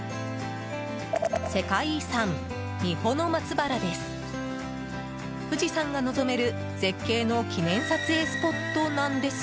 世界遺産・三保松原です。